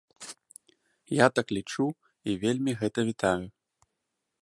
Я так лічу і вельмі гэта вітаю.